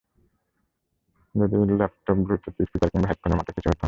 যদি laptop, Bluetooth speaker, বা হেডফোনের মতো কিছু হতো?